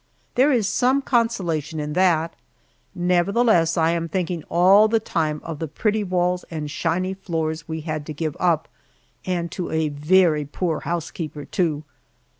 There is some consolation in that; nevertheless, I am thinking all the time of the pretty walls and shiny floors we had to give up, and to a very poor housekeeper, too.